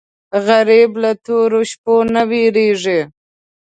غریب له تورو شپو نه وېرېږي